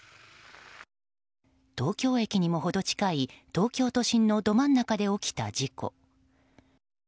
東京駅にも程近い東京都心のど真ん中で起きた事故。